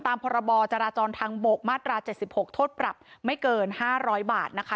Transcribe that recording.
พรบจราจรทางบกมาตรา๗๖โทษปรับไม่เกิน๕๐๐บาทนะคะ